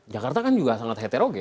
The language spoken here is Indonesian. jakarta kan juga sangat heterogen